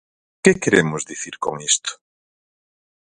¿Que queremos dicir con isto?